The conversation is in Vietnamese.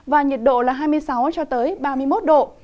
và nhiệt độ là hai mươi sáu ba mươi một độ